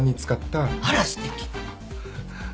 あらすてき。